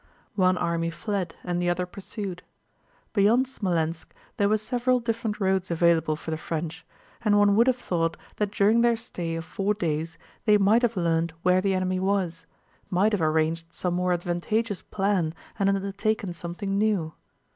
One army fled and the other pursued. Beyond Smolénsk there were several different roads available for the French, and one would have thought that during their stay of four days they might have learned where the enemy was, might have arranged some more advantageous plan and undertaken something new.